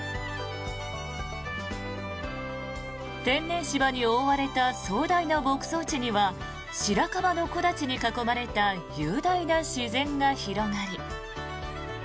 天然芝に覆われた壮大な牧草地にはシラカバの木立に囲まれた雄大な自然が広がり。